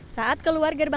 saat keluar gerbang